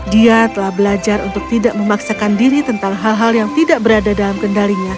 dia telah belajar untuk tidak memaksakan diri tentang hal hal yang tidak berada dalam kendalinya